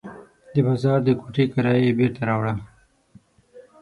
د بازار د کوټې کرایه یې بېرته راوړه.